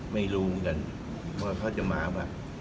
ไม่รู้กันบอกว่าเธอจะมาป่ะ